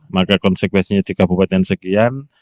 maka konsekuensinya di kabupaten sekian